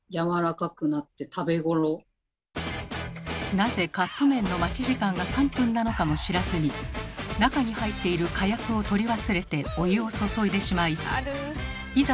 なぜカップ麺の待ち時間が３分なのかも知らずに中に入っているかやくを取り忘れてお湯を注いでしまいいざ